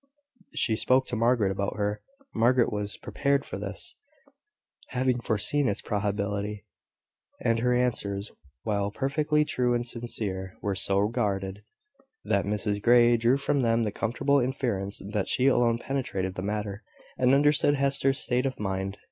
She spoke to Margaret about her. Margaret was prepared for this, having foreseen its probability; and her answers, while perfectly true and sincere, were so guarded, that Mrs Grey drew from them the comfortable inference that she alone penetrated the matter, and understood Hester's state of mind.